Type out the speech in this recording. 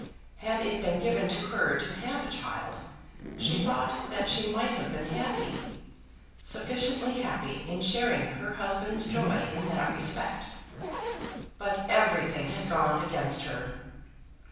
Had it been given to her to have a child, she thought that she might have been happy, sufficiently happy in sharing her husband's joy in that respect. But everything had gone against her.